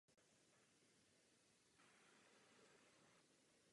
Jeho tvorba se v převážné míře orientovala na střední Slovensko.